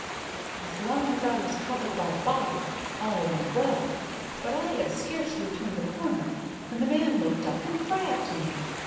As long as I was covered by the bottle all went well, but I had scarcely turned the corner, when the man looked up and grabbed me.